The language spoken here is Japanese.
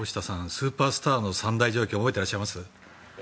スーパースターの３大条件覚えていらっしゃいます？